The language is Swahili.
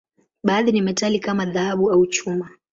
Baadhi ni metali, kama dhahabu au chuma.